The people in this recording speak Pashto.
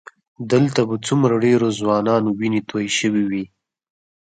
دلته به څومره ډېرو ځوانانو وینې تویې شوې وي.